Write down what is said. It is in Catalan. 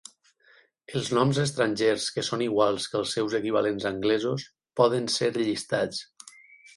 Els noms estrangers que són iguals que els seus equivalents anglesos poden ser llistats.